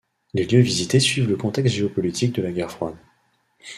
Les lieux visités suivent le contexte géopolitique de la guerre froide.